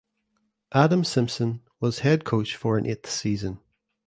Adam Simpson was head coach for an eighth season.